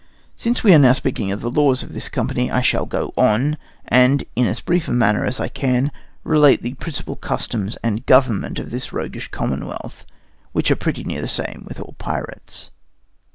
Since we are now speaking of the laws of this company, I shall go on, and, in as brief a manner as I can, relate the principal customs and government of this roguish commonwealth, which are pretty near the same with all pirates.